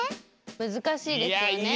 むずかしいですよね。